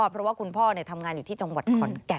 เพราะว่าคุณพ่อทำงานอยู่ที่จังหวัดขอนแก่น